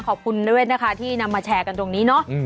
ขอบคุณด้วยนะคะที่นำมาแชร์กันตรงนี้เนาะ